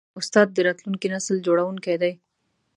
استاد د راتلونکي نسل جوړوونکی دی.